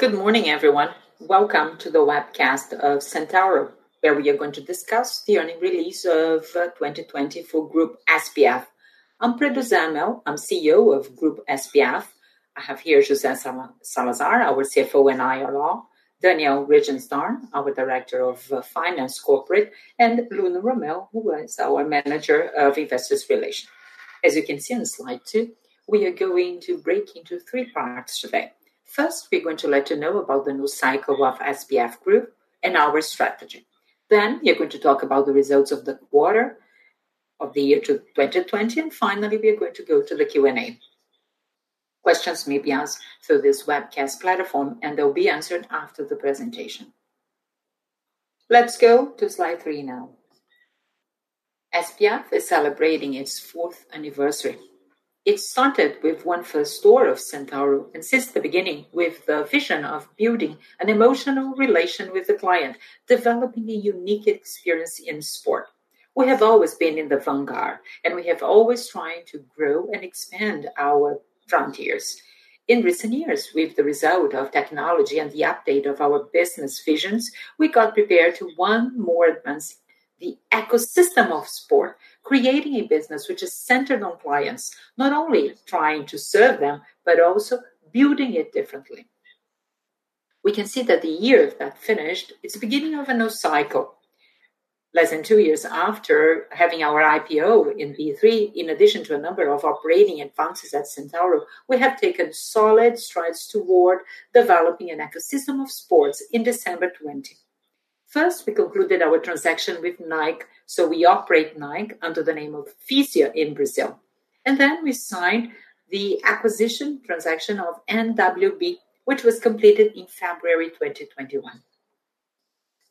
Good morning, everyone. Welcome to the webcast of Centauro, where we are going to discuss the earning release of 2020 for Grupo SBF. I'm Pedro Zemel, I'm CEO of Grupo SBF. I have here José Salazar, our CFO and IRO, Daniel Regensteiner, our Director of Finance Corporate, and Luana Nunes, who is our Manager of Investors Relation. As you can see on slide two, we are going to break into three parts today. First, we're going to let you know about the new cycle of Grupo SBF and our strategy. We're going to talk about the results of the quarter of the year 2020, and finally, we are going to go to the Q&A. Questions may be asked through this webcast platform, and they'll be answered after the presentation. Let's go to slide three now. SBF is celebrating its fourth anniversary. It started with one first store of Centauro, since the beginning, with the vision of building an emotional relation with the client, developing a unique experience in sport. We have always been in the vanguard, we have always tried to grow and expand our frontiers. In recent years, with the result of technology and the update of our business visions, we got prepared to one more advance the ecosystem of sport, creating a business which is centered on clients, not only trying to serve them, but also building it differently. We can see that the year that finished is the beginning of a new cycle. Less than two years after having our IPO in B3, in addition to a number of operating advances at Centauro, we have taken solid strides toward developing an ecosystem of sports in December 2020. First, we concluded our transaction with Nike, so we operate Nike under the name of Fisia in Brazil. We signed the acquisition transaction of NWB, which was completed in February 2021.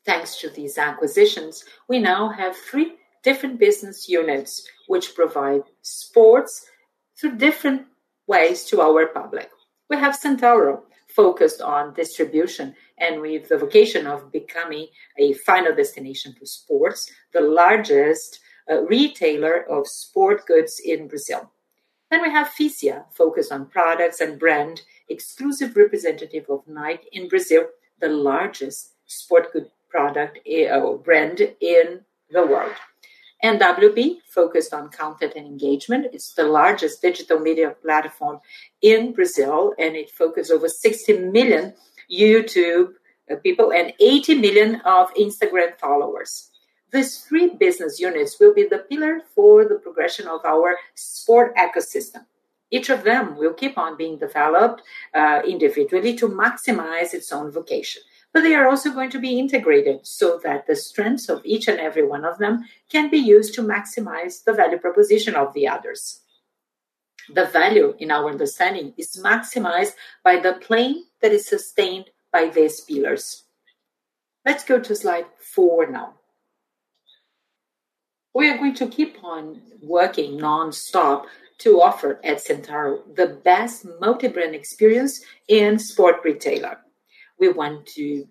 Thanks to these acquisitions, we now have three different business units which provide sports through different ways to our public. We have Centauro focused on distribution and with the vocation of becoming a final destination for sports, the largest retailer of sport goods in Brazil. We have Fisia focused on products and brand, exclusive representative of Nike in Brazil, the largest sport good product brand in the world. NWB focused on content and engagement. It's the largest digital media platform in Brazil, and it focus over 60 million YouTube people and 80 million of Instagram followers. These three business units will be the pillar for the progression of our sport ecosystem. Each of them will keep on being developed individually to maximize its own vocation. They are also going to be integrated so that the strengths of each and every one of them can be used to maximize the value proposition of the others. The value in our understanding is maximized by the plan that is sustained by these pillars. Let's go to slide four now. We are going to keep on working nonstop to offer at Centauro the best multi-brand experience in sport retailer. We want to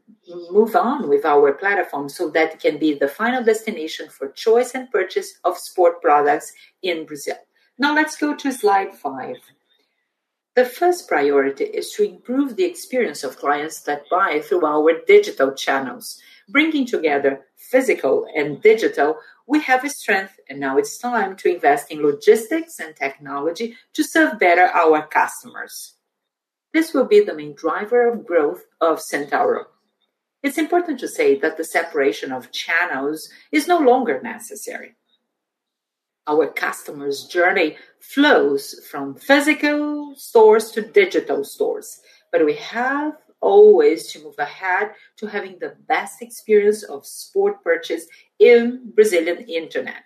move on with our platform so that it can be the final destination for choice and purchase of sport products in Brazil. Now let's go to slide five. The first priority is to improve the experience of clients that buy through our digital channels. Bringing together physical and digital, we have a strength, and now it is time to invest in logistics and technology to serve better our customers. This will be the main driver of growth of Centauro. It is important to say that the separation of channels is no longer necessary. Our customer's journey flows from physical stores to digital stores, but we have always to move ahead to having the best experience of sport purchase in Brazilian internet.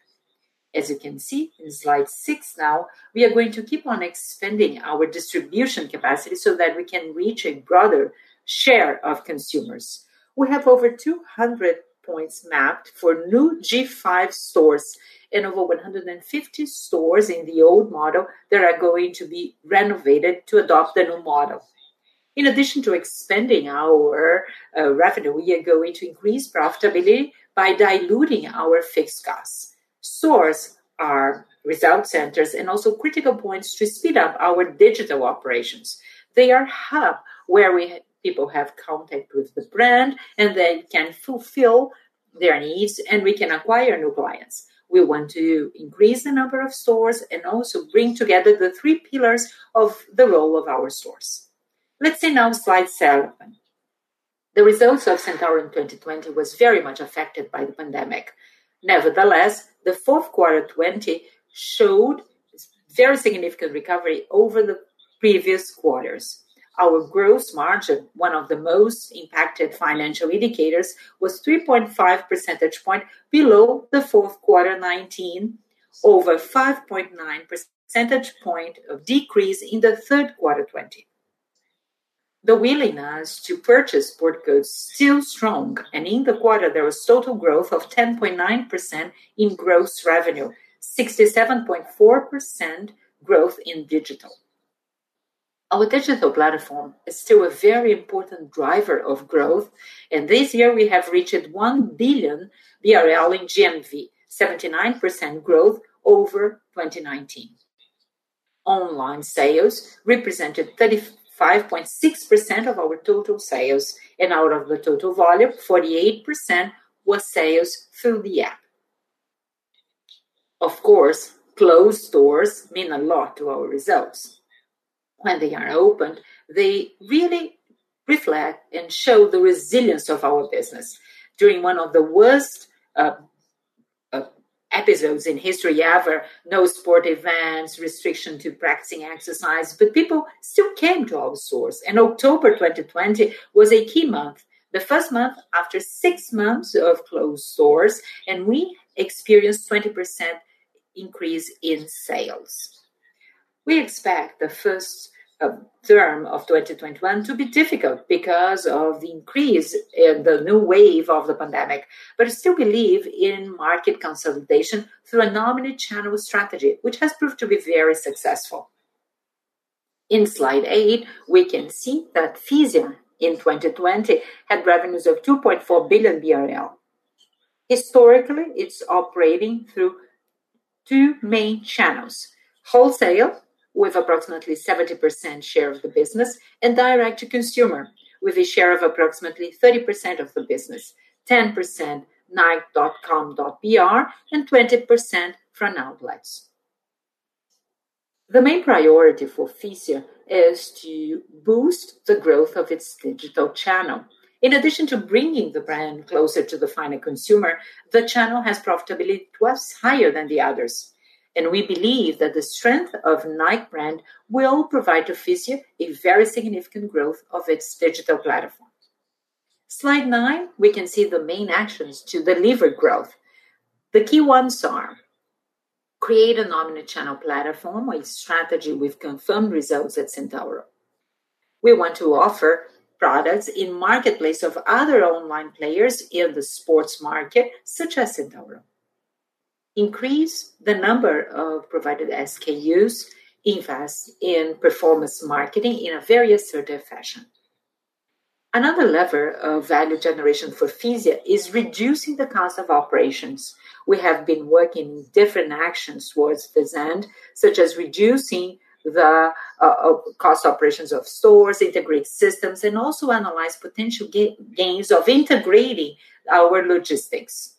As you can see in slide six now, we are going to keep on expanding our distribution capacity so that we can reach a broader share of consumers. We have over 200 points mapped for new G5 stores and over 150 stores in the old model that are going to be renovated to adopt the new model. In addition to expanding our revenue, we are going to increase profitability by diluting our fixed costs. Stores are result centers and also critical points to speed up our digital operations. They are hub where people have contact with the brand, and they can fulfill their needs, and we can acquire new clients. We want to increase the number of stores and also bring together the three pillars of the role of our stores. Let's see now slide seven. Nevertheless, the results of Centauro in 2020 was very much affected by the pandemic. The fourth quarter 2020 showed very significant recovery over the previous quarters. Our gross margin, one of the most impacted financial indicators, was 3.5 percentage point below the fourth quarter 2019, over 5.9 percentage point of decrease in the third quarter 2020. The willingness to purchase sport goods still strong, and in the quarter, there was total growth of 10.9% in gross revenue, 67.4% growth in digital. Our digital platform is still a very important driver of growth. This year we have reached 1 billion BRL in GMV, 79% growth over 2019. Online sales represented 35.6% of our total sales. Out of the total volume, 48% was sales through the app. Of course, closed stores mean a lot to our results. When they are opened, they really reflect and show the resilience of our business during one of the worst episodes in history ever, no sport events, restriction to practicing exercise. People still came to our stores. October 2020 was a key month, the first month after six months of closed stores. We experienced 20% increase in sales. We expect the first term of 2021 to be difficult because of the increase in the new wave of the pandemic, but still believe in market consolidation through an omni-channel strategy, which has proved to be very successful. In slide eight, we can see that Fisia in 2020 had revenues of 2.4 billion BRL. Historically, it's operating through two main channels, wholesale with approximately 70% share of the business, and direct to consumer with a share of approximately 30% of the business, 10% nike.com.br and 20% factory outlets. The main priority for Fisia is to boost the growth of its digital channel. In addition to bringing the brand closer to the final consumer, the channel has profitability twice higher than the others. We believe that the strength of Nike brand will provide to Fisia a very significant growth of its digital platforms. Slide nine, we can see the main actions to deliver growth. The key ones are create an omni-channel platform with strategy, with confirmed results at Centauro. We want to offer products in Marketplace of other online players in the sports market, such as Centauro. Increase the number of provided SKUs, invest in performance marketing in a very assertive fashion. Another lever of value generation for Fisia is reducing the cost of operations. We have been working different actions towards this end, such as reducing the cost operations of stores, integrate systems, and also analyze potential gains of integrating our logistics.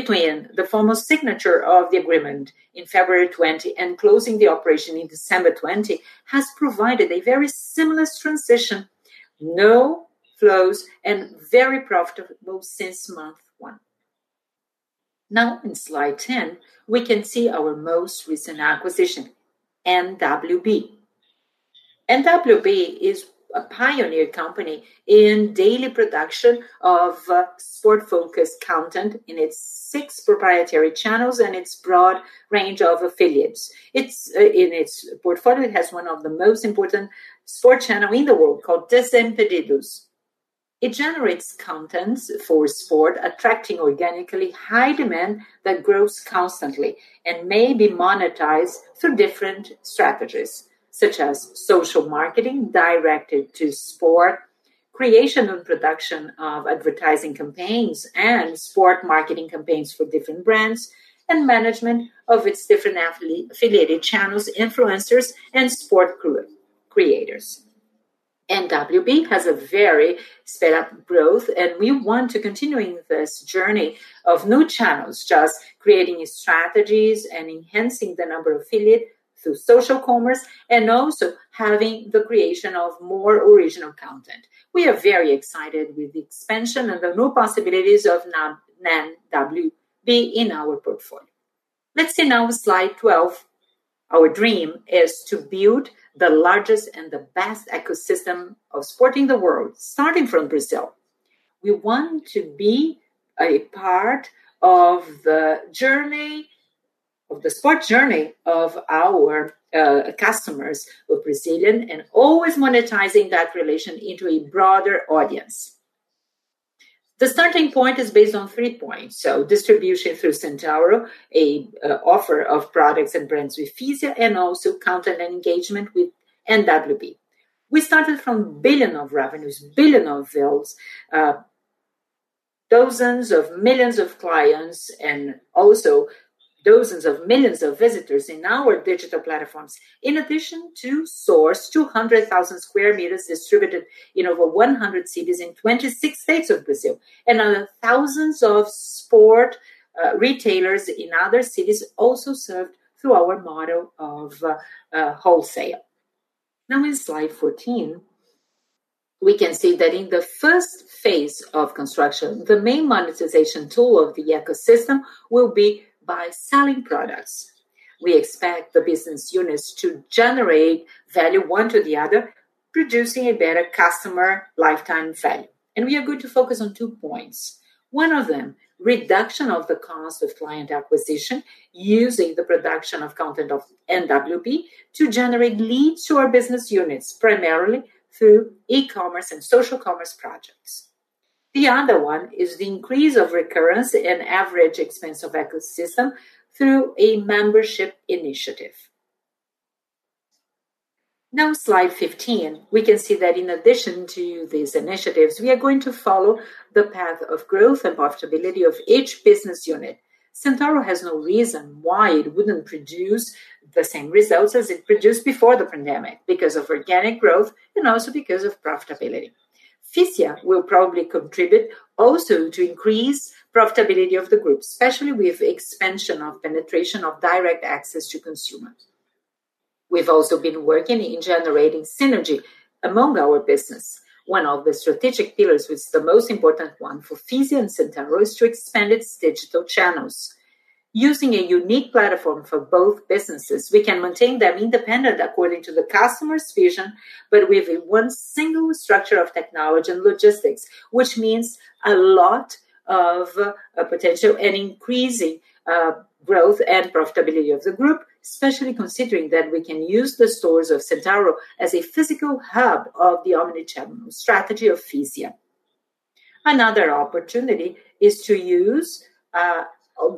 Between the formal signature of the agreement in February 2020 and closing the operation in December 2020 has provided a very seamless transition, no flaws, and very profitable since month one. Now in slide 10, we can see our most recent acquisition, NWB. NWB is a pioneer company in daily production of sport-focused content in its six proprietary channels and its broad range of affiliates. In its portfolio, it has one of the most important sport channel in the world called Desimpedidos. It generates contents for sport, attracting organically high demand that grows constantly and may be monetized through different strategies, such as social marketing directed to sport, creation and production of advertising campaigns and sport marketing campaigns for different brands, and management of its different affiliated channels, influencers, and sport creators. NWB has a very sped-up growth, and we want to continuing this journey of new channels, just creating strategies and enhancing the number of affiliate through social commerce, and also having the creation of more original content. We are very excited with the expansion and the new possibilities of NWB in our portfolio. Let's see now slide 12. Our dream is to build the largest and the best ecosystem of sport in the world, starting from Brazil. We want to be a part of the sport journey of our customers who are Brazilian and always monetizing that relation into a broader audience. The starting point is based on three points. Distribution through Centauro, a offer of products and brands with Fisia, and also content and engagement with NWB. We started from billion of revenues, billion of sales, dozens of millions of clients, and also dozens of millions of visitors in our digital platforms. In addition to stores, 200,000 sq m distributed in over 100 cities in 26 states of Brazil. Other thousands of sport retailers in other cities also served through our model of wholesale. Now in slide 14, we can see that in the first phase of construction, the main monetization tool of the ecosystem will be by selling products. We expect the business units to generate value one to the other, producing a better customer lifetime value. We are going to focus on two points. One of them, reduction of the cost of client acquisition using the production of content of NWB to generate leads to our business units, primarily through e-commerce and social commerce projects. The other one is the increase of recurrence in average expense of ecosystem through a membership initiative. Now slide 15. We can see that in addition to these initiatives, we are going to follow the path of growth and profitability of each business unit. Centauro has no reason why it wouldn't produce the same results as it produced before the pandemic because of organic growth and also because of profitability. Fisia will probably contribute also to increase profitability of the group, especially with expansion of penetration of direct access to consumers. We've also been working in generating synergy among our business. One of the strategic pillars was the most important one for Fisia and Centauro is to expand its digital channels. Using a unique platform for both businesses, we can maintain them independent according to the customer's vision, but with a one single structure of technology and logistics, which means a lot of potential and increasing growth and profitability of the group, especially considering that we can use the stores of Centauro as a physical hub of the omni-channel strategy of Fisia. Another opportunity is to use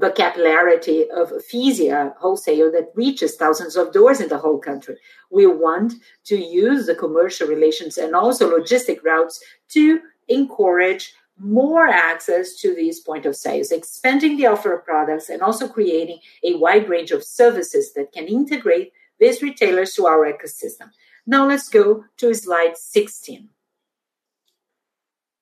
the capillarity of Fisia wholesaler that reaches thousands of doors in the whole country. We want to use the commercial relations and also logistic routes to encourage more access to these point of sales, expanding the offer of products, and also creating a wide range of services that can integrate these retailers to our ecosystem. Now let's go to slide 16.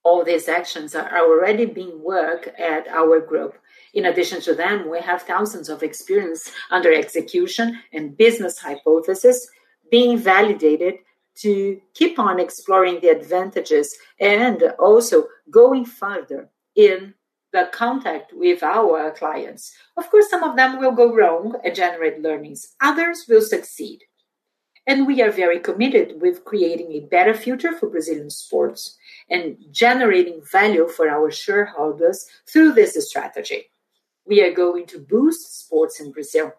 All these actions are already being worked at our group. In addition to them, we have thousands of experience under execution and business hypothesis being validated to keep on exploring the advantages and also going further in the contact with our clients. Of course, some of them will go wrong and generate learnings. Others will succeed. We are very committed with creating a better future for Brazilian sports and generating value for our shareholders through this strategy. We are going to boost sports in Brazil.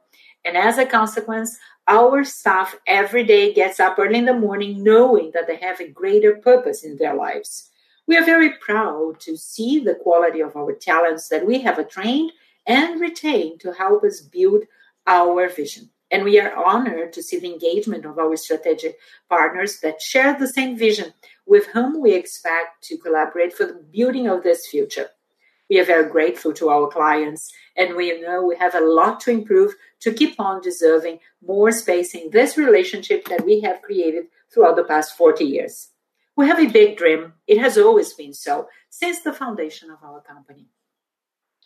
As a consequence, our staff every day gets up early in the morning knowing that they have a greater purpose in their lives. We are very proud to see the quality of our talents that we have trained and retained to help us build our vision. We are honored to see the engagement of our strategic partners that share the same vision with whom we expect to collaborate for the building of this future. We are very grateful to our clients, and we know we have a lot to improve to keep on deserving more space in this relationship that we have created throughout the past 40 years. We have a big dream. It has always been so since the foundation of our company.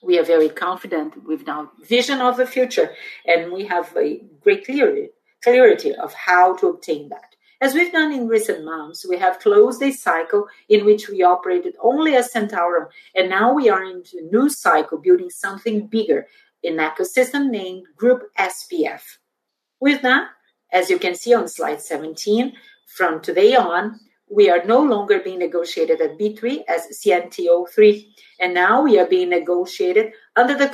We are very confident with our vision of the future, and we have a great clarity of how to obtain that. As we've done in recent months, we have closed a cycle in which we operated only as Centauro, and now we are into a new cycle building something bigger, an ecosystem named Grupo SBF. With that, as you can see on slide 17, from today on, we are no longer being negotiated at B3 as CNTO3, and now we are being negotiated under the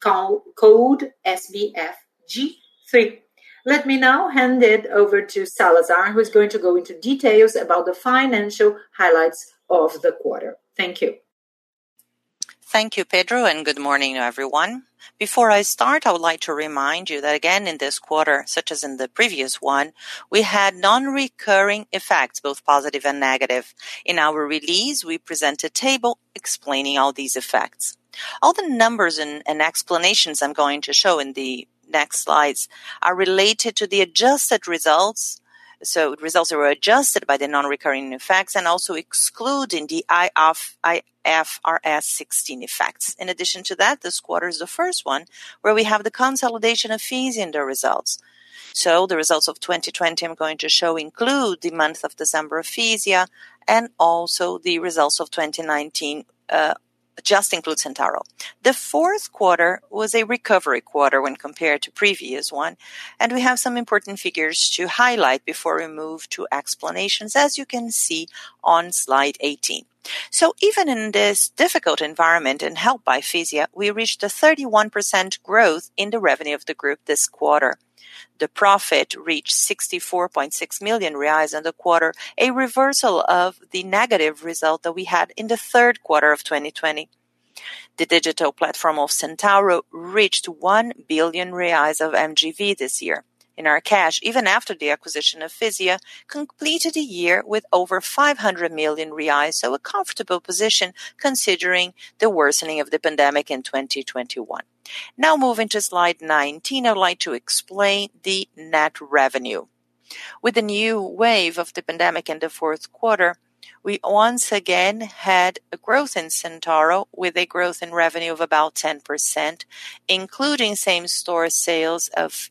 code SBFG3. Let me now hand it over to Salazar, who's going to go into details about the financial highlights of the quarter. Thank you. Thank you, Pedro. Good morning, everyone. Before I start, I would like to remind you that again in this quarter, such as in the previous one, we had non-recurring effects, both positive and negative. In our release, we present a table explaining all these effects. All the numbers and explanations I'm going to show in the next slides are related to the adjusted results. Results that were adjusted by the non-recurring effects and also excluding the IFRS 16 effects. In addition to that, this quarter is the first one where we have the consolidation of Fisia in the results. The results of 2020 I'm going to show include the month of December of Fisia and also the results of 2019 just include Centauro. The fourth quarter was a recovery quarter when compared to previous one, and we have some important figures to highlight before we move to explanations, as you can see on slide 18. Even in this difficult environment and helped by Fisia, we reached a 31% growth in the revenue of the group this quarter. The profit reached 64.6 million reais in the quarter, a reversal of the negative result that we had in the third quarter of 2020. The digital platform of Centauro reached 1 billion reais of GMV this year. In our cash, even after the acquisition of Fisia, completed a year with over 500 million reais, so a comfortable position considering the worsening of the pandemic in 2021. Now moving to slide 19, I'd like to explain the net revenue. With the new wave of the pandemic in the fourth quarter, we once again had a growth in Centauro with a growth in revenue of about 10%, including same-store sales of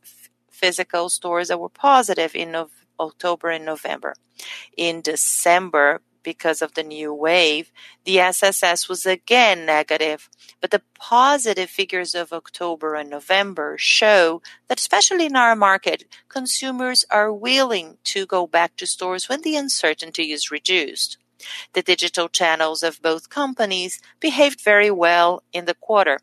physical stores that were positive in October and November. In December, because of the new wave, the SSS was again negative, but the positive figures of October and November show that, especially in our market, consumers are willing to go back to stores when the uncertainty is reduced. The digital channels of both companies behaved very well in the quarter.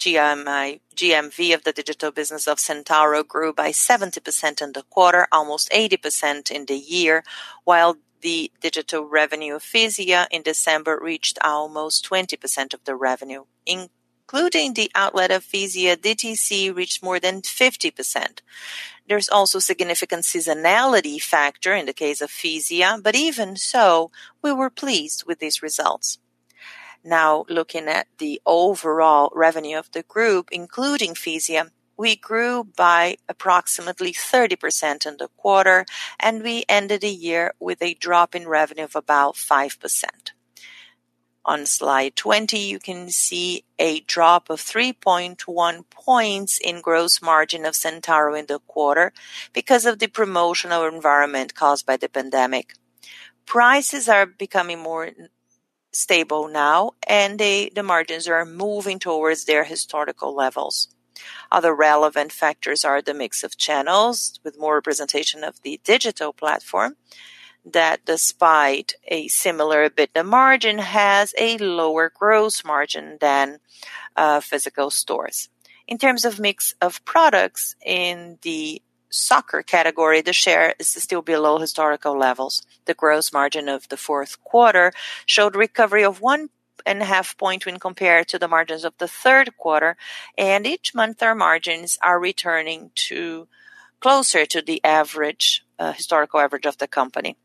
GMV of the digital business of Centauro grew by 70% in the quarter, almost 80% in the year, while the digital revenue of Fisia in December reached almost 20% of the revenue. Including the outlet of Fisia, DTC reached more than 50%. There's also significant seasonality factor in the case of Fisia, but even so, we were pleased with these results. Now looking at the overall revenue of the group, including Fisia, we grew by approximately 30% in the quarter, and we ended the year with a drop in revenue of about 5%. On slide 20, you can see a drop of 3.1 points in gross margin of Centauro in the quarter because of the promotional environment caused by the pandemic. Prices are becoming more stable now, and the margins are moving towards their historical levels. Other relevant factors are the mix of channels with more representation of the digital platform that despite a similar bit, the margin has a lower gross margin than physical stores. In terms of mix of products in the soccer category, the share is still below historical levels. The gross margin of the fourth quarter showed recovery of 1.5 point when compared to the margins of the third quarter, and each month our margins are returning closer to the historical average of the company.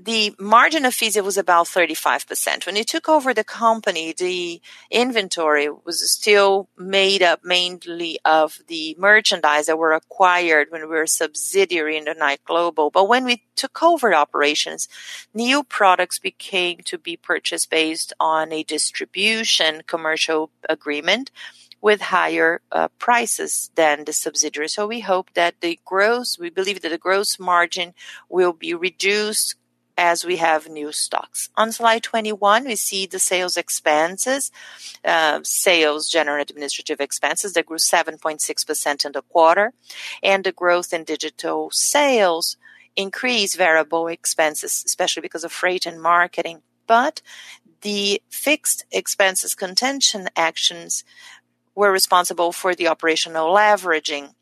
The margin of Fisia was about 35%. When we took over the company, the inventory was still made up mainly of the merchandise that were acquired when we were a subsidiary under Nike Global. When we took over operations, new products came to be purchased based on a distribution commercial agreement with higher prices than the subsidiary. We believe that the gross margin will be reduced as we have new stocks. On slide 21, we see the sales expenses. Sales generate administrative expenses that grew 7.6% in the quarter. The growth in digital sales increased variable expenses, especially because of freight and marketing. The fixed expenses contention actions were responsible for the operational leveraging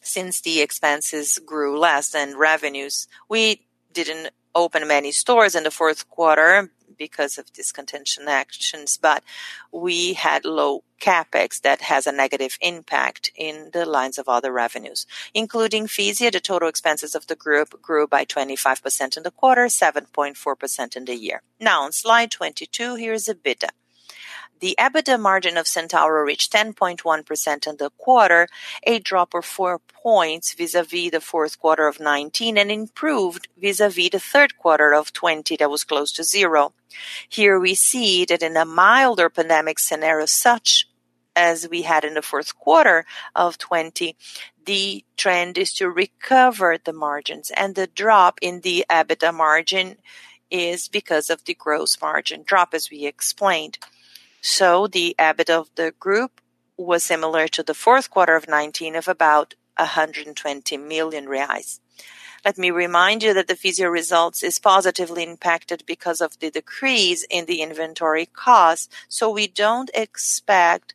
since the expenses grew less than revenues. We didn't open many stores in the fourth quarter because of these contention actions, but we had low CapEx that has a negative impact in the lines of other revenues. Including Fisia, the total expenses of the group grew by 25% in the quarter, 7.4% in the year. Now on slide 22, here is EBITDA. The EBITDA margin of Centauro reached 10.1% in the quarter, a drop of four points vis-a-vis the fourth quarter of 2019 and improved vis-a-vis the third quarter of 2020 that was close to zero. Here we see that in a milder pandemic scenario such as we had in the fourth quarter of 2020, the trend is to recover the margins and the drop in the EBITDA margin is because of the gross margin drop as we explained. The EBITDA of the group was similar to the fourth quarter of 2019 of about 120 million reais. Let me remind you that the Fisia results is positively impacted because of the decrease in the inventory cost, so we don't expect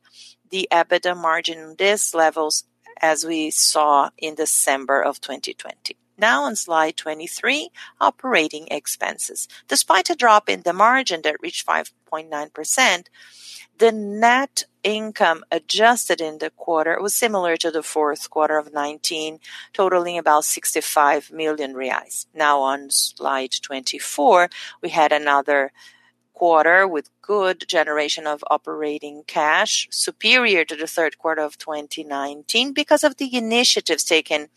the EBITDA margin on these levels as we saw in December of 2020. Now on slide 23, operating expenses. Despite a drop in the margin that reached 5.9%, the net income adjusted in the quarter was similar to the fourth quarter of 2019, totaling about 65 million reais. Now on slide 24, we had another quarter with good generation of operating cash superior to the third quarter of 2019 because of the initiatives taken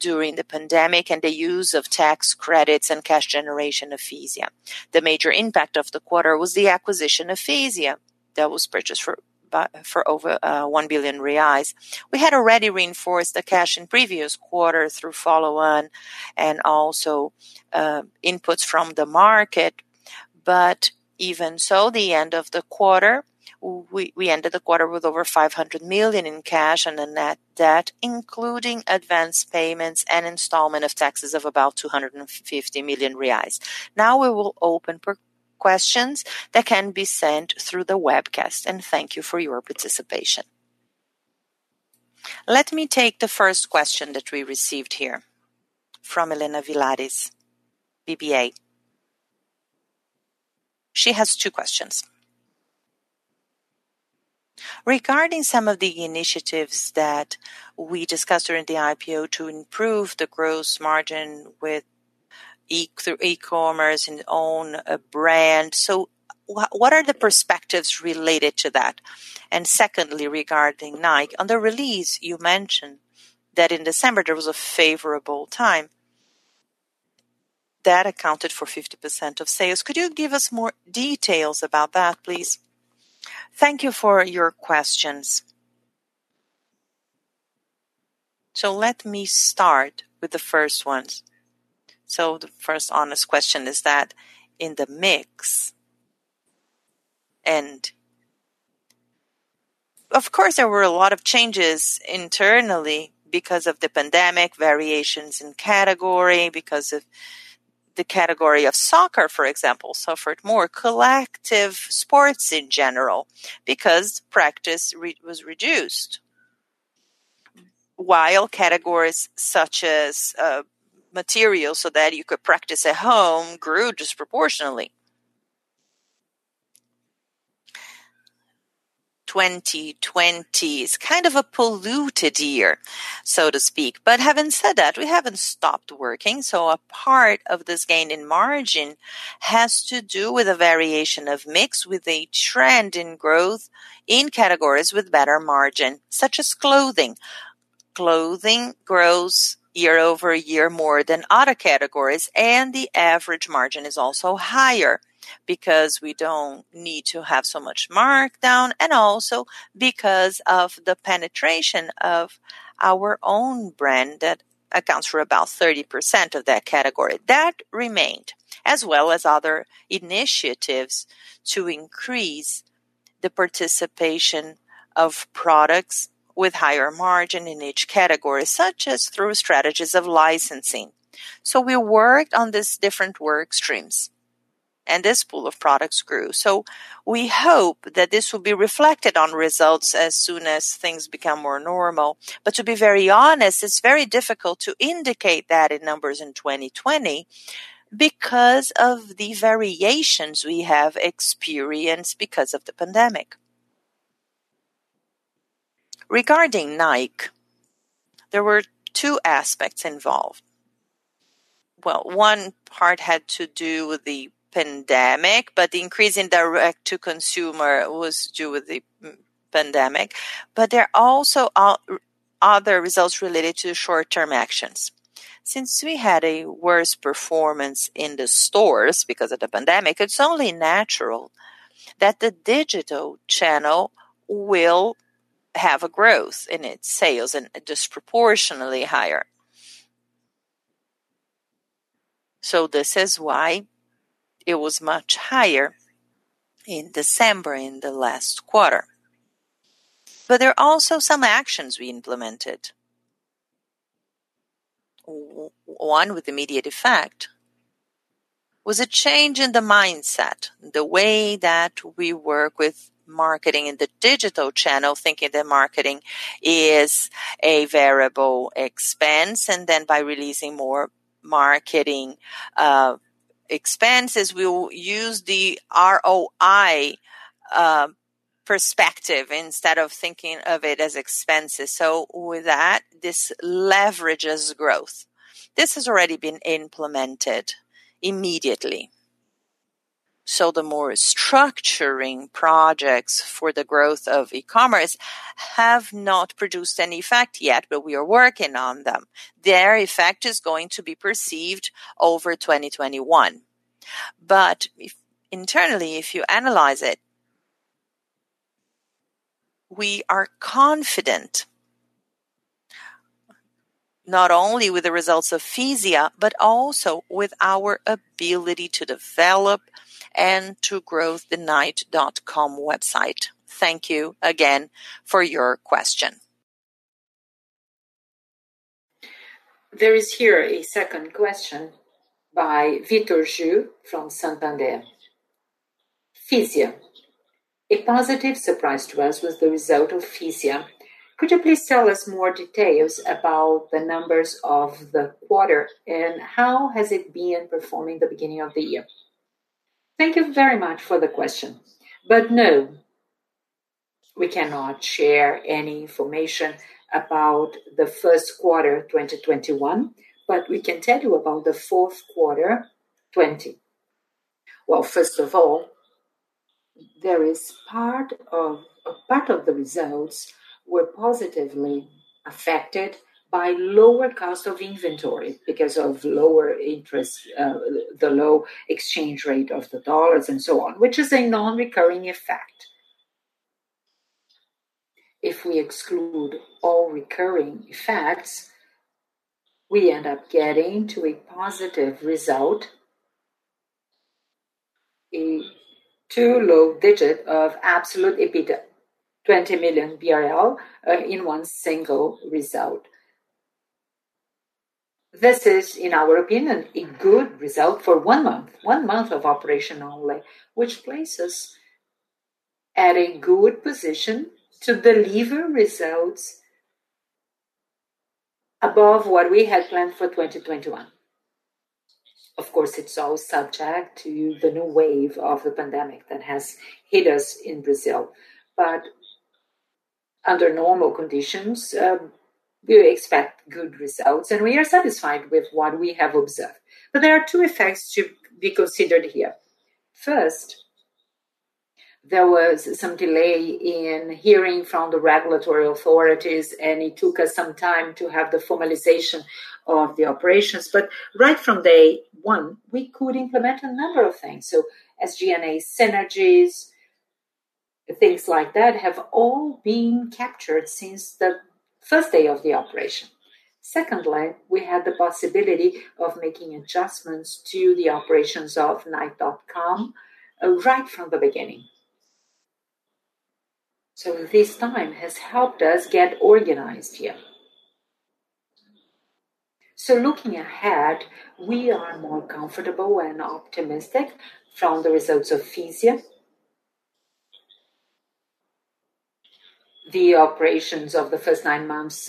during the pandemic and the use of tax credits and cash generation of Fisia. The major impact of the quarter was the acquisition of Fisia that was purchased for over 1 billion reais. We had already reinforced the cash in previous quarters through follow-on and also inputs from the market. Even so, we ended the quarter with over 500 million in cash and in net debt, including advanced payments and installment of taxes of about 250 million reais. Now we will open for questions that can be sent through the webcast. Thank you for your participation. Let me take the first question that we received here from Helena Villares, BBA. She has two questions. Regarding some of the initiatives that we discussed during the IPO to improve the gross margin through e-commerce and own brand. What are the perspectives related to that? Secondly, regarding Nike. On the release, you mentioned that in December there was a favorable time that accounted for 50% of sales. Could you give us more details about that, please? Thank you for your questions. Let me start with the first one. The first honest question is that in the mix, and of course there were a lot of changes internally because of the pandemic variations in category because of the category of soccer, for example, suffered more. Collective sports in general because practice was reduced. While categories such as materials, so that you could practice at home, grew disproportionately. 2020 is kind of a polluted year, so to speak. having said that, we haven't stopped working, so a part of this gain in margin has to do with a variation of mix with a trend in growth in categories with better margin, such as clothing. Clothing grows year-over-year more than other categories, and the average margin is also higher because we don't need to have so much markdown, and also because of the penetration of our own brand that accounts for about 30% of that category. That remained, as well as other initiatives to increase the participation of products with higher margin in each category, such as through strategies of licensing. We worked on these different work streams, and this pool of products grew. We hope that this will be reflected on results as soon as things become more normal. To be very honest, it's very difficult to indicate that in numbers in 2020 because of the variations we have experienced because of the pandemic. Regarding Nike, there were two aspects involved. Well, one part had to do with the pandemic, but the increase in direct to consumer was due with the pandemic, but there are also other results related to short-term actions. Since we had a worse performance in the stores because of the pandemic, it's only natural that the digital channel will have a growth in its sales and disproportionately higher. This is why it was much higher in December in the last quarter. There are also some actions we implemented. One with immediate effect was a change in the mindset, the way that we work with marketing in the digital channel, thinking that marketing is a variable expense, and then by releasing more marketing expenses, we will use the ROI perspective instead of thinking of it as expenses. With that, this leverages growth. This has already been implemented immediately. The more structuring projects for the growth of e-commerce have not produced any effect yet, but we are working on them. Their effect is going to be perceived over 2021. Internally, if you analyze it, we are confident not only with the results of Fisia but also with our ability to develop and to grow the nike.com website. Thank you again for your question. There is here a second question by [Vitor Xu] from Santander. Fisia. A positive surprise to us was the result of Fisia. Could you please tell us more details about the numbers of the quarter and how has it been performing the beginning of the year? Thank you very much for the question. No, we cannot share any information about the first quarter 2021. We can tell you about the fourth quarter 2020. Well, first of all, part of the results were positively affected by lower cost of inventory because of the low exchange rate of the dollars and so on, which is a non-recurring effect. If we exclude all recurring effects, we end up getting to a positive result, a two low digit of absolute EBITDA, 20 million BRL in one single result. This is, in our opinion, a good result for one month. One month of operation only, which places at a good position to deliver results above what we had planned for 2021. Of course, it's all subject to the new wave of the pandemic that has hit us in Brazil. Under normal conditions, we expect good results, and we are satisfied with what we have observed. There are two effects to be considered here. First, there was some delay in hearing from the regulatory authorities, and it took us some time to have the formalization of the operations. Right from day one, we could implement a number of things. As G&A synergies, things like that have all been captured since the first day of the operation. Secondly, we had the possibility of making adjustments to the operations of nike.com right from the beginning. This time has helped us get organized here. looking ahead, we are more comfortable and optimistic from the results of Fisia. The operations of the first nine months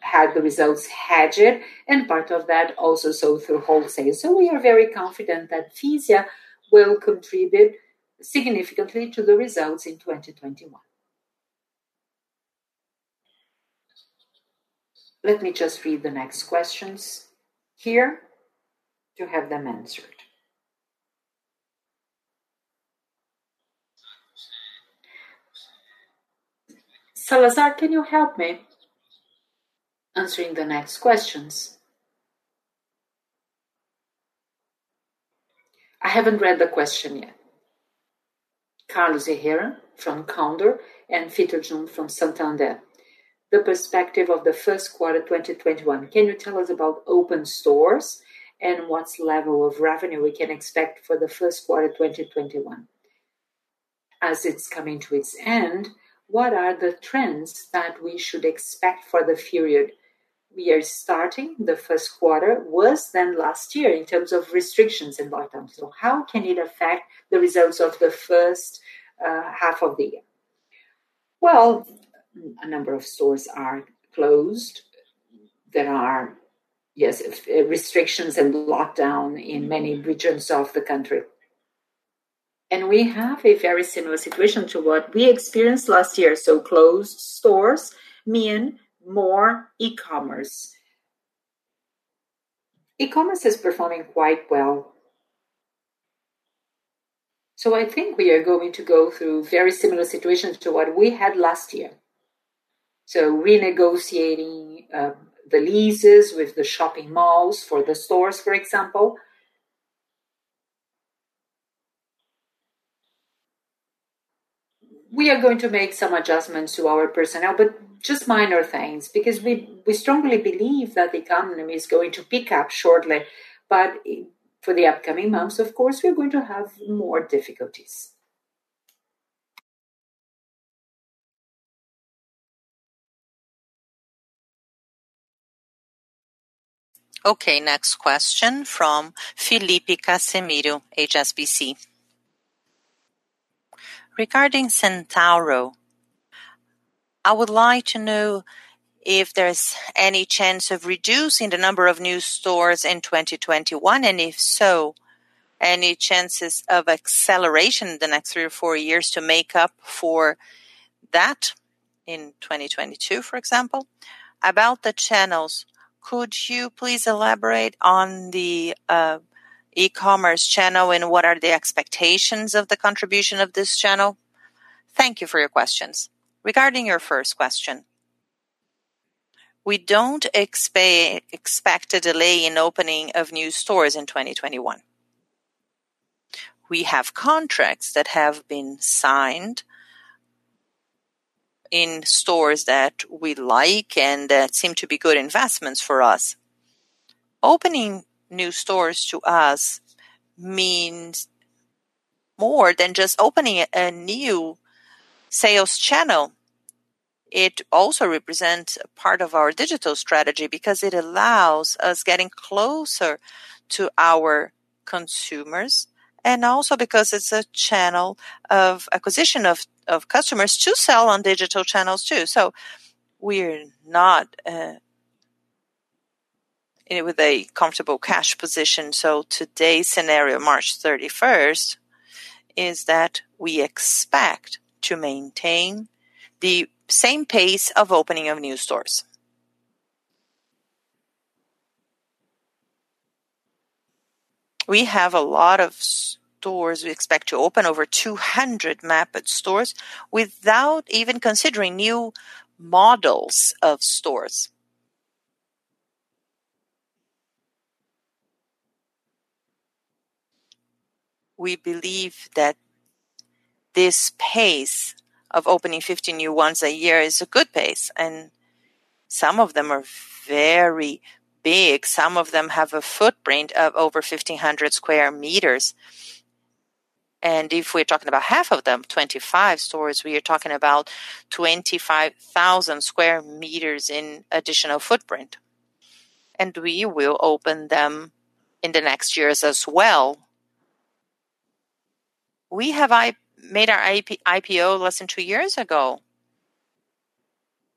had the results hedged, and part of that also sold through wholesale. we are very confident that Fisia will contribute significantly to the results in 2021. Let me just read the next questions here to have them answered. Salazar, can you help me answering the next questions? I haven't read the question yet. Carlos Herrera from Condor and [Fito Jun] from Santander. The perspective of the first quarter 2021. Can you tell us about open stores and what level of revenue we can expect for the first quarter 2021? As it's coming to its end, what are the trends that we should expect for the period? We are starting the first quarter worse than last year in terms of restrictions and lockdowns. How can it affect the results of the first half of the year? Well, a number of stores are closed. There are restrictions and lockdown in many regions of the country. We have a very similar situation to what we experienced last year. Closed stores mean more e-commerce. E-commerce is performing quite well. I think we are going to go through very similar situations to what we had last year. Renegotiating the leases with the shopping malls for the stores, for example. We are going to make some adjustments to our personnel, but just minor things, because we strongly believe that the economy is going to pick up shortly. For the upcoming months, of course, we're going to have more difficulties. Okay. Next question from Felipe Cassimiro, HSBC. Regarding Centauro, I would like to know if there's any chance of reducing the number of new stores in 2021, and if so, any chances of acceleration in the next three or four years to make up for that in 2022, for example? About the channels, could you please elaborate on the e-commerce channel and what are the expectations of the contribution of this channel? Thank you for your questions. Regarding your first question, we don't expect a delay in opening of new stores in 2021. We have contracts that have been signed in stores that we like and that seem to be good investments for us. Opening new stores to us means more than just opening a new sales channel. It also represents a part of our digital strategy because it allows us getting closer to our consumers and also because it's a channel of acquisition of customers to sell on digital channels too. we're not with a comfortable cash position. today's scenario, March 31st, is that we expect to maintain the same pace of opening of new stores. We have a lot of stores we expect to open, over 200 mapped stores, without even considering new models of stores. We believe that this pace of opening 50 new ones a year is a good pace, and some of them are very big. Some of them have a footprint of over 1,500 sq m. if we're talking about half of them, 25 stores, we are talking about 25,000 sq m in additional footprint. we will open them in the next years as well. We have made our IPO less than two years ago.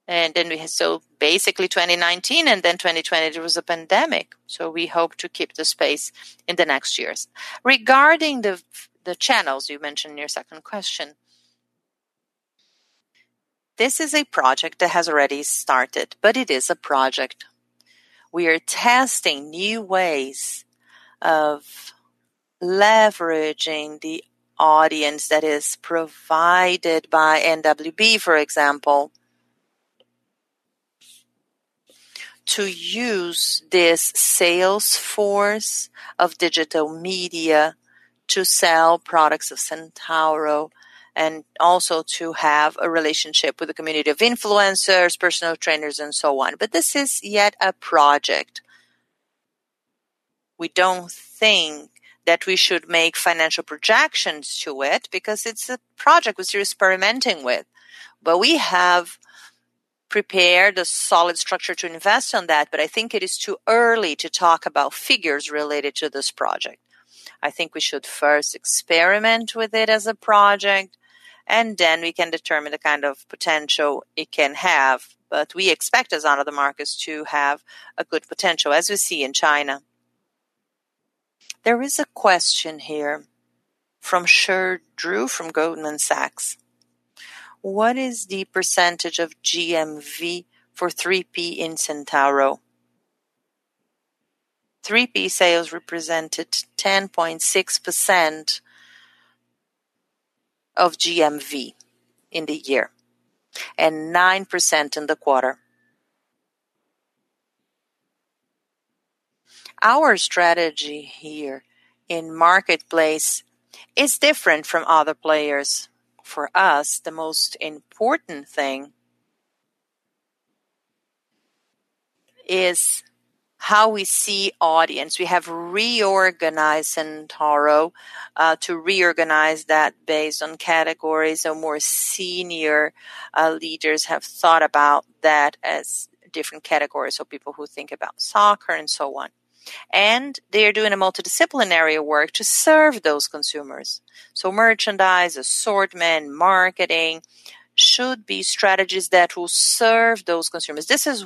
Basically 2019, and then 2020, there was a pandemic. We hope to keep the space in the next years. Regarding the channels you mentioned in your second question, this is a project that has already started, but it is a project. We are testing new ways of leveraging the audience that is provided by NWB, for example, to use this sales force of digital media to sell products of Centauro and also to have a relationship with the community of influencers, personal trainers, and so on. This is yet a project. We don't think that we should make financial projections to it because it's a project we're experimenting with. We have prepared the solid structure to invest in that, but I think it is too early to talk about figures related to this project. I think we should first experiment with it as a project, and then we can determine the kind of potential it can have. We expect other markets to have a good potential as we see in China. There is a question here from Irma Sgarz from Goldman Sachs. What is the percentage of GMV for 3P in Centauro? 3P sales represented 10.6% of GMV in the year, and 9% in the quarter. Our strategy here in Marketplace is different from other players. For us, the most important thing is how we see audience. We have reorganized Centauro to reorganize that based on categories. More senior leaders have thought about that as different categories, so people who think about soccer and so on. They are doing a multidisciplinary work to serve those consumers. Merchandise, assortment, marketing should be strategies that will serve those consumers. This is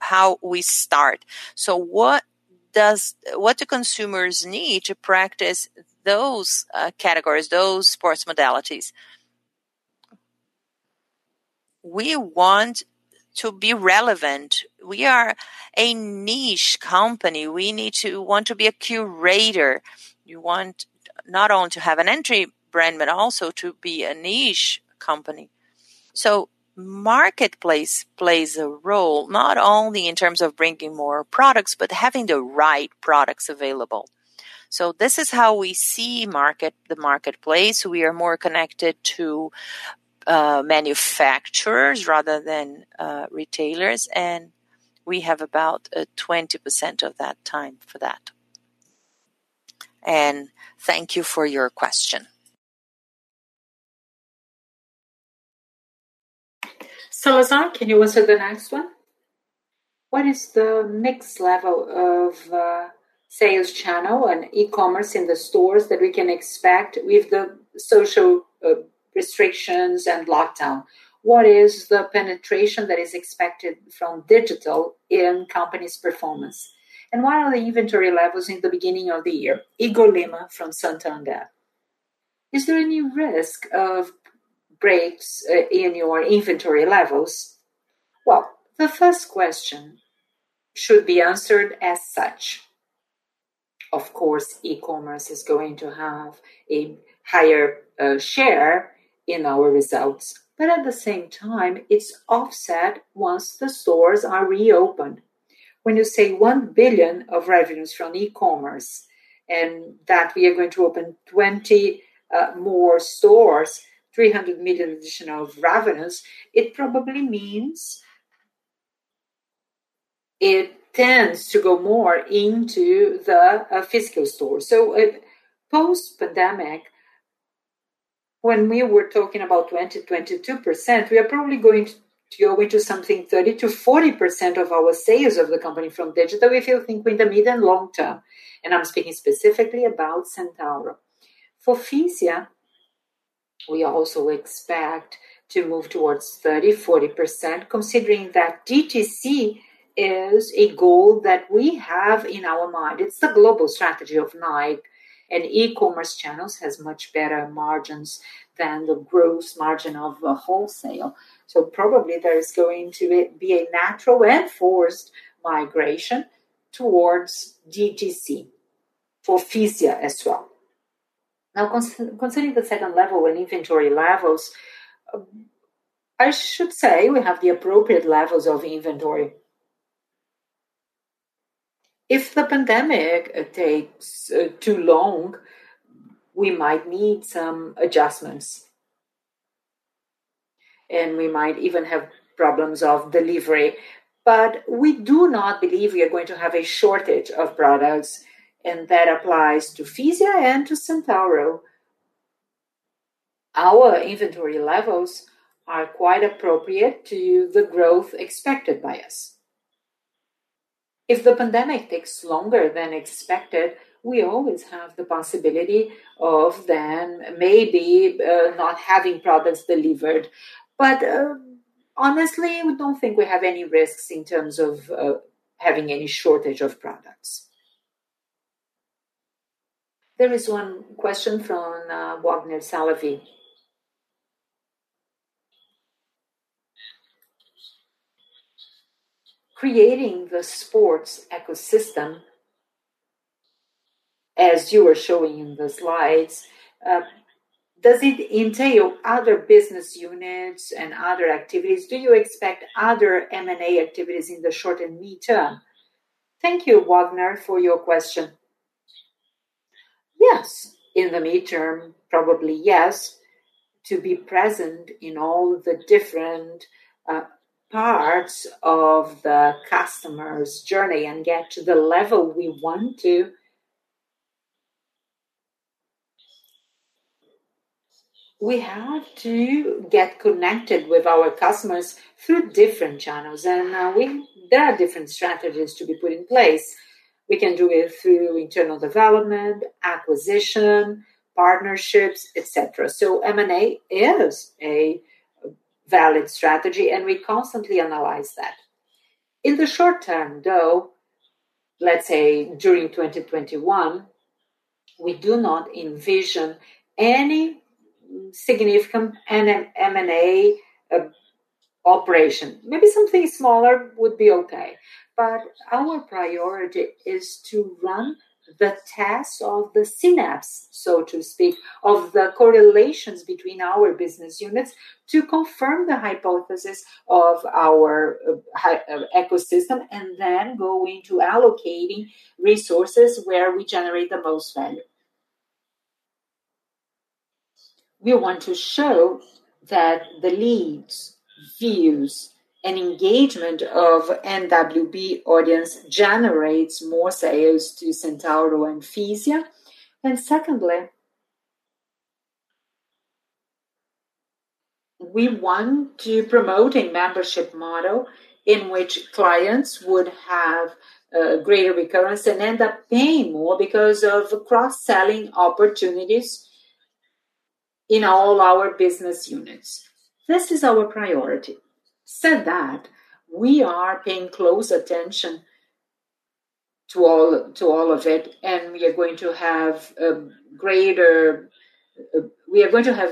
how we start. What do consumers need to practice those categories, those sports modalities? We want to be relevant. We are a niche company. We want to be a curator. You want not only to have an entry brand, but also to be a niche company. Marketplace plays a role, not only in terms of bringing more products, but having the right products available. This is how we see the marketplace. We are more connected to manufacturers rather than retailers, and we have about 20% of that time for that. Thank you for your question. Salazar, can you answer the next one? What is the next level of sales channel and e-commerce in the stores that we can expect with the social restrictions and lockdown? What is the penetration that is expected from digital in company's performance? What are the inventory levels in the beginning of the year? Igor Lima from Santander. Is there any risk of breaks in your inventory levels? Well, the first question should be answered as such. Of course, e-commerce is going to have a higher share in our results. at the same time, it's offset once the stores are reopened. When you say 1 billion of revenues from e-commerce, and that we are going to open 20 more stores, 300 million additional revenues, it probably means it tends to go more into the physical store. post-pandemic, when we were talking about 20%, 22%, we are probably going to owe it to something 30%-40% of our sales of the company from digital, if you think in the medium long term. I'm speaking specifically about Centauro. For Fisia, we also expect to move towards 30%-40%, considering that DTC is a goal that we have in our mind. It's the global strategy of Nike, and e-commerce channels has much better margins than the gross margin of a wholesale. probably there is going to be a natural and forced migration towards DTC for Fisia as well. considering the second level and inventory levels, I should say we have the appropriate levels of inventory. If the pandemic takes too long, we might need some adjustments, and we might even have problems of delivery. we do not believe we are going to have a shortage of products, and that applies to Fisia and to Centauro. Our inventory levels are quite appropriate to the growth expected by us. If the pandemic takes longer than expected, we always have the possibility of them maybe not having products delivered. Honestly, we don't think we have any risks in terms of having any shortage of products. There is one question from Wagner Salovi. Creating the sports ecosystem, as you were showing in the slides, does it entail other business units and other activities? Do you expect other M&A activities in the short and mid-term? Thank you, Wagner, for your question. Yes. In the mid-term, probably yes, to be present in all the different parts of the customer's journey and get to the level we want to We have to get connected with our customers through different channels. There are different strategies to be put in place. We can do it through internal development, acquisition, partnerships, et cetera. M&A is a valid strategy, and we constantly analyze that. In the short term, though, let's say during 2021, we do not envision any significant M&A operation. Maybe something smaller would be okay. Our priority is to run the test of the synergies, so to speak, of the correlations between our business units to confirm the hypothesis of our ecosystem, and then going to allocating resources where we generate the most value. We want to show that the leads, views, and engagement of NWB audience generates more sales to Centauro and Fisia. secondly, we want to promote a membership model in which clients would have greater recurrence and end up paying more because of cross-selling opportunities in all our business units. This is our priority. Said that, we are paying close attention to all of it, and we are going to have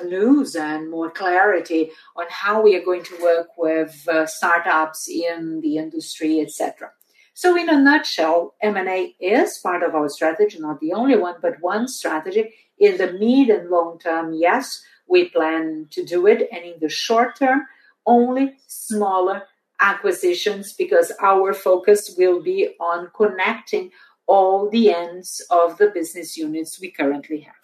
news and more clarity on how we are going to work with startups in the industry, et cetera. in a nutshell, M&A is part of our strategy. Not the only one, but one strategy. In the medium long term, yes, we plan to do it. in the short term, only smaller acquisitions, because our focus will be on connecting all the ends of the business units we currently have.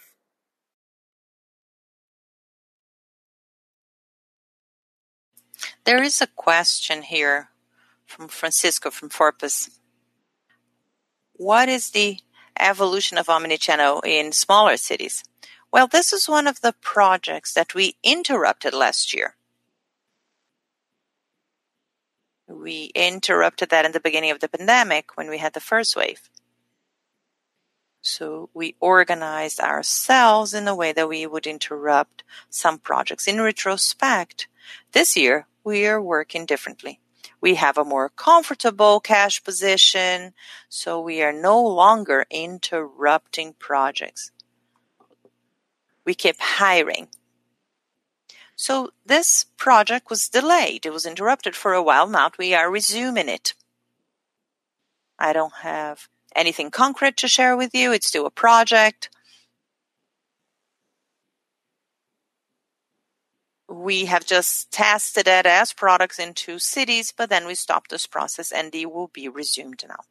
There is a question here from Francisco, from Forpus: What is the evolution of omnichannel in smaller cities? Well, this is one of the projects that we interrupted last year. We interrupted that in the beginning of the pandemic when we had the first wave. We organized ourselves in a way that we would interrupt some projects. In retrospect, this year we are working differently. We have a more comfortable cash position, so we are no longer interrupting projects. We keep hiring. This project was delayed. It was interrupted for a while now. We are resuming it. I don't have anything concrete to share with you. It's still a project. We have just tested it as products in two cities, but then we stopped this process, and it will be resumed now.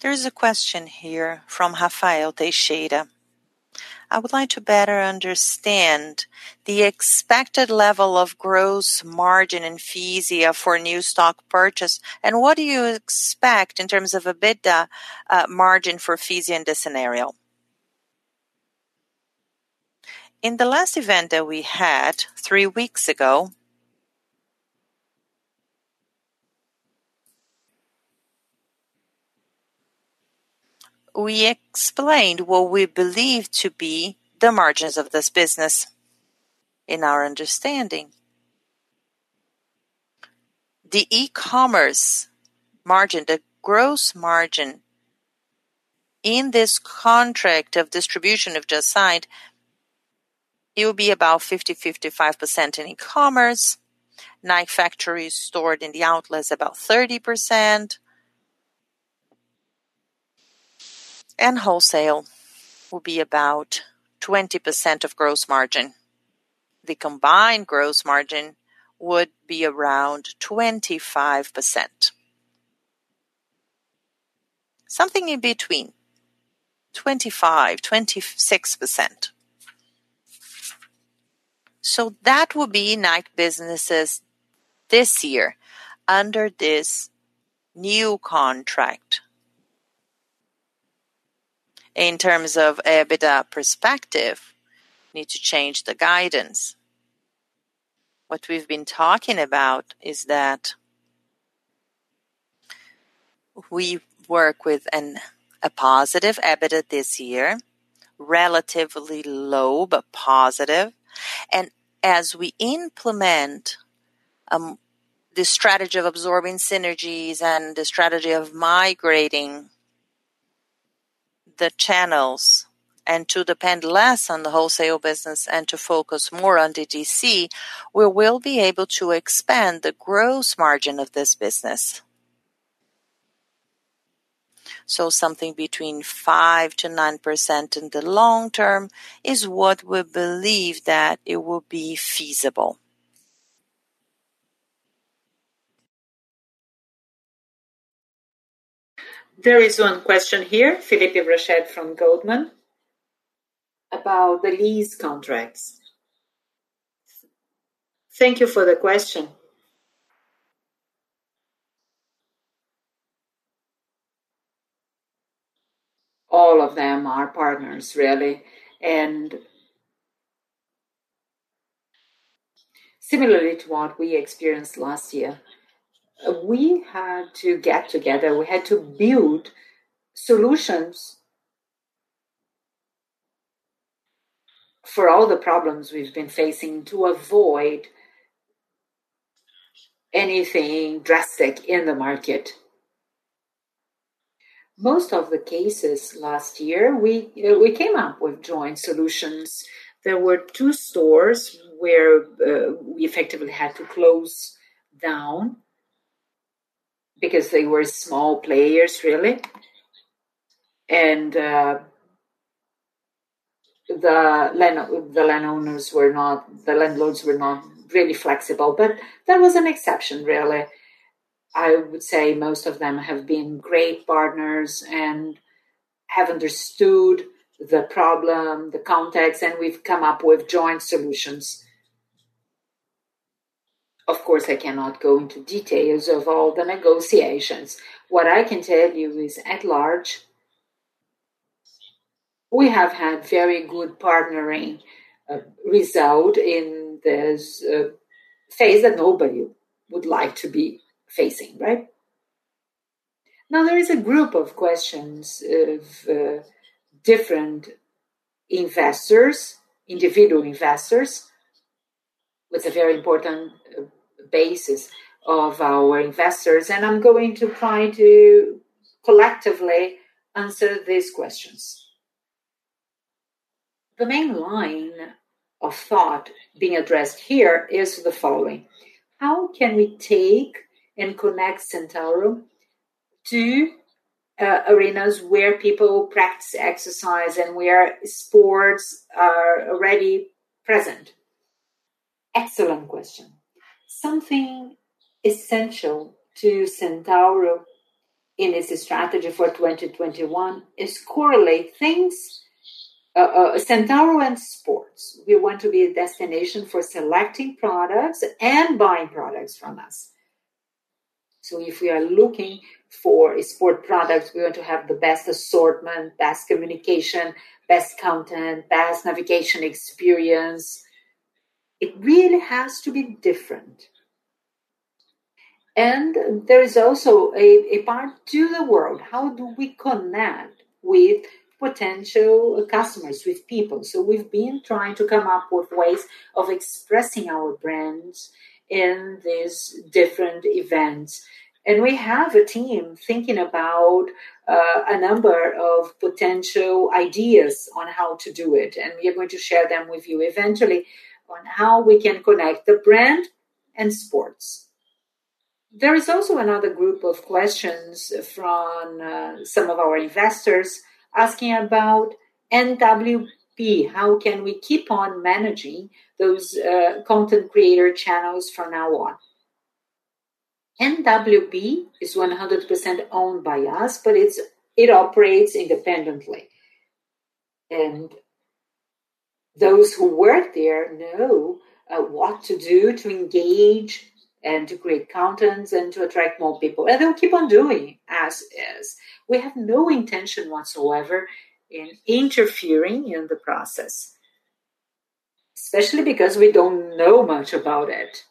There is a question here from Rafael Teixeira. I would like to better understand the expected level of gross margin in Fisia for a new stock purchase, and what do you expect in terms of a better margin for Fisia in this scenario?" In the last event that we had three weeks ago, we explained what we believe to be the margins of this business in our understanding. The e-commerce margin, the gross margin in this contract of distribution we've just signed, it will be about 50%-55% in e-commerce. Nike factory stores in the outlets, about 30%. Wholesale will be about 20% of gross margin. The combined gross margin would be around 25%. Something in between 25%-26%. That will be Nike businesses this year under this new contract. In terms of EBITDA perspective, need to change the guidance. What we've been talking about is that we work with a positive EBITDA this year, relatively low, but positive. As we implement the strategy of absorbing synergies and the strategy of migrating the channels, and to depend less on the wholesale business and to focus more on D2C, we will be able to expand the gross margin of this business. Something between 5%-9% in the long term is what we believe that it will be feasible. There is one question here, Felipe Rached from Goldman, about the lease contracts. Thank you for the question. All of them are partners, really. Similarly to what we experienced last year, we had to get together, we had to build solutions for all the problems we've been facing to avoid anything drastic in the market. Most of the cases last year, we came up with joint solutions. There were two stores where we effectively had to close down because they were small players, really. The landlords were not really flexible, but that was an exception, really. I would say most of them have been great partners and have understood the problem, the context, and we've come up with joint solutions. Of course, I cannot go into details of all the negotiations. What I can tell you is at large, we have had very good partnering result in this phase that nobody would like to be facing. Right? Now, there is a group of questions of different investors, individual investors, with a very important basis of our investors, and I'm going to try to collectively answer these questions. The main line of thought being addressed here is the following. How can we take and connect Centauro to arenas where people practice exercise and where sports are already present? Excellent question. Something essential to Centauro in its strategy for 2021 is correlate things, Centauro and sports. We want to be a destination for selecting products and buying products from us. If we are looking for sport products, we want to have the best assortment, best communication, best content, best navigation experience. It really has to be different. There is also a part to the world. How do we connect with potential customers, with people? We've been trying to come up with ways of expressing our brands in these different events. We have a team thinking about a number of potential ideas on how to do it, and we are going to share them with you eventually on how we can connect the brand and sports. There is also another group of questions from some of our investors asking about NWB. How can we keep on managing those content creator channels from now on? NWB is 100% owned by us, but it operates independently. Those who work there know what to do to engage and to create content and to attract more people. They'll keep on doing as is. We have no intention whatsoever in interfering in the process, especially because we don't know much about it.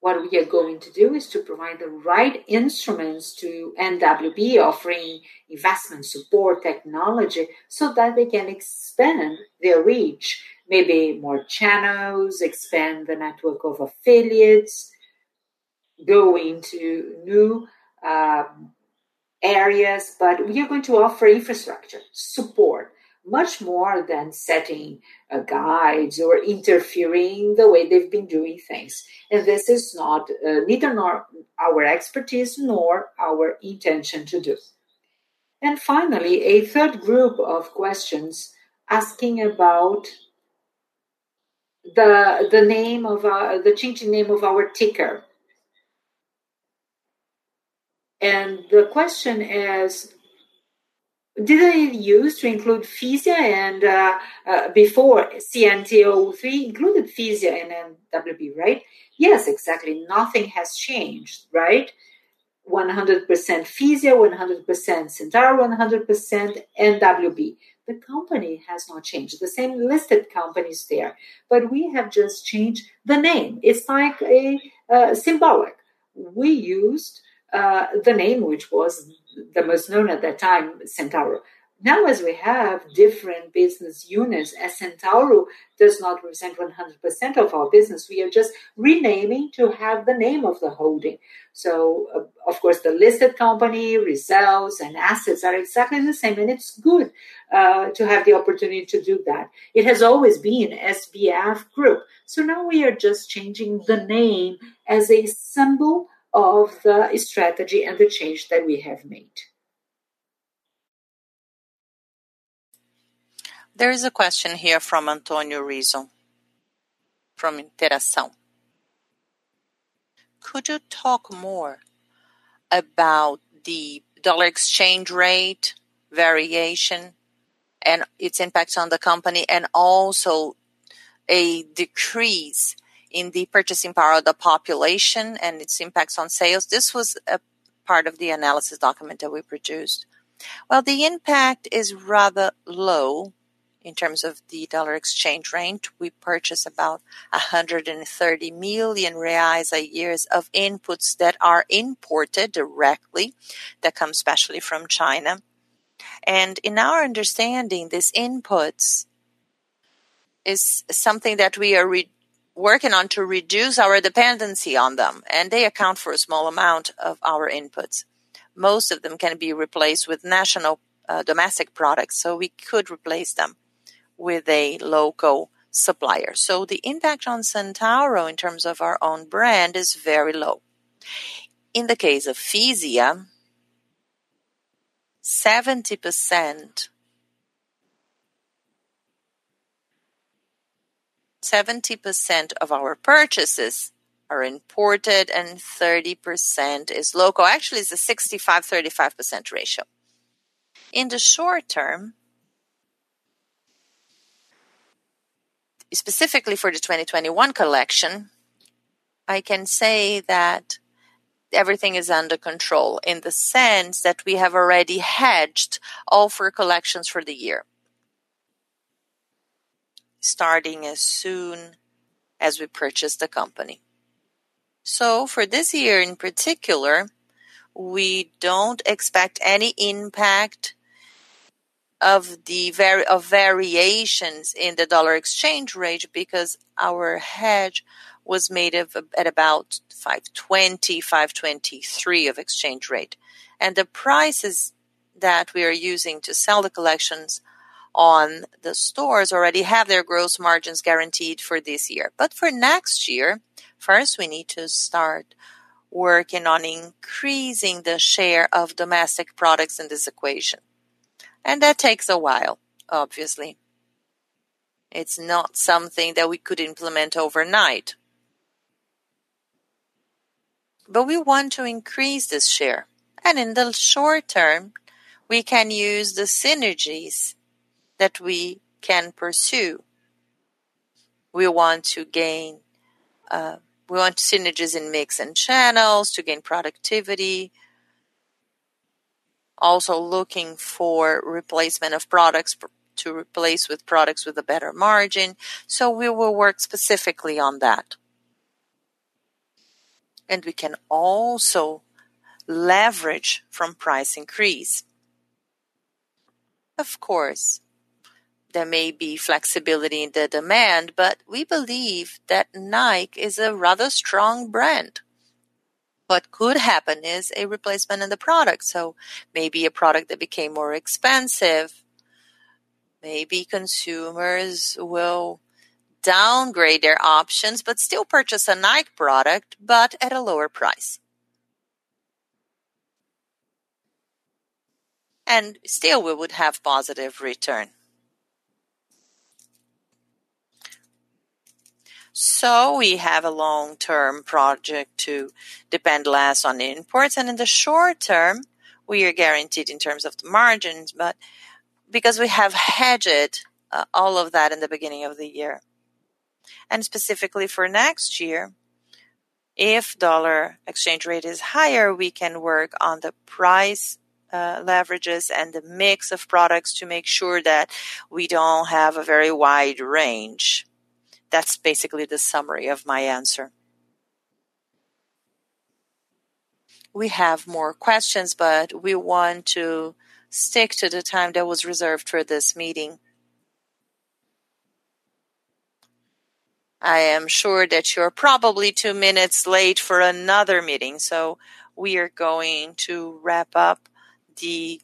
What we are going to do is to provide the right instruments to NWB, offering investment support technology so that they can expand their reach, maybe more channels, expand the network of affiliates, go into new areas. We are going to offer infrastructure support much more than setting guides or interfering the way they've been doing things. This is neither our expertise nor our intention to do. Finally, a third group of questions asking about the changing name of our ticker. The question is: Before CNTO3 included Fisia and NWB, right? Yes, exactly. Nothing has changed. Right? 100% Fisia, 100% Centauro, 100% NWB. The company has not changed. The same listed company is there, but we have just changed the name. It's like symbolic. We used the name, which was the most known at that time, Centauro. Now, as we have different business units as Centauro does not represent 100% of our business, we are just renaming to have the name of the holding. Of course, the listed company results and assets are exactly the same, and it's good to have the opportunity to do that. It has always been SBF Group. Now we are just changing the name as a symbol of the strategy and the change that we have made. There is a question here from Antonio Rizzo from Inter-Ação. Could you talk more about the dollar exchange rate variation and its impacts on the company, and also a decrease in the purchasing power of the population and its impacts on sales. This was a part of the analysis document that we produced. Well, the impact is rather low in terms of the dollar exchange rate. We purchase about 130 million reais a year of inputs that are imported directly, that comes especially from China. In our understanding, these inputs is something that we are working on to reduce our dependency on them, and they account for a small amount of our inputs. Most of them can be replaced with national domestic products, so we could replace them with a local supplier. The impact on Centauro in terms of our own brand is very low. In the case of Fisia, 70% of our purchases are imported and 30% is local. Actually, it's a 65/35 ratio. In the short term, specifically for the 2021 collection, I can say that everything is under control in the sense that we have already hedged all four collections for the year, starting as soon as we purchased the company. For this year in particular, we don't expect any impact of variations in the dollar exchange rate because our hedge was made at about 520, 523 of exchange rate. The prices that we are using to sell the collections on the stores already have their gross margins guaranteed for this year. For next year, first we need to start working on increasing the share of domestic products in this equation. That takes a while, obviously. It's not something that we could implement overnight. We want to increase this share, and in the short term, we can use the synergies that we can pursue. We want synergies in mix and channels to gain productivity. Also looking for replacement of products to replace with products with a better margin. We will work specifically on that. We can also leverage from price increase. Of course, there may be flexibility in the demand, but we believe that Nike is a rather strong brand. What could happen is a replacement in the product. Maybe a product that became more expensive, maybe consumers will downgrade their options, but still purchase a Nike product, but at a lower price. Still we would have positive return. We have a long-term project to depend less on imports, and in the short term, we are guaranteed in terms of the margins, but because we have hedged all of that in the beginning of the year. Specifically for next year, if dollar exchange rate is higher, we can work on the price leverages and the mix of products to make sure that we don't have a very wide range. That's basically the summary of my answer. We have more questions, but we want to stick to the time that was reserved for this meeting. I am sure that you're probably two minutes late for another meeting, so we are going to wrap up the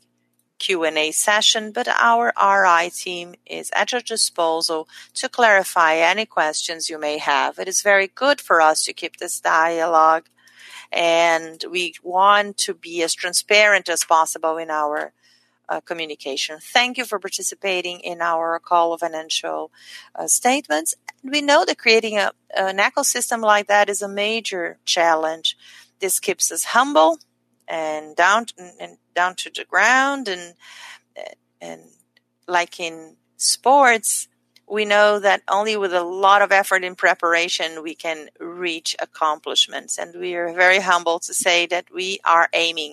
Q&A session. Our IR team is at your disposal to clarify any questions you may have. It is very good for us to keep this dialogue, and we want to be as transparent as possible in our communication. Thank you for participating in our call of financial statements. We know that creating an ecosystem like that is a major challenge. This keeps us humble and down to the ground. Like in sports, we know that only with a lot of effort and preparation, we can reach accomplishments, and we are very humbled to say that we are aiming